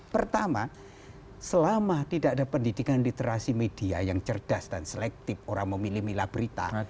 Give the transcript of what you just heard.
pertama selama tidak ada pendidikan literasi media yang cerdas dan selektif orang memilih milah berita